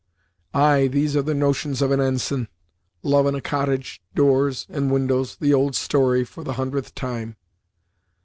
"Ay, these are the notions of an ensign! Love in a cottage doors and windows the old story, for the hundredth time.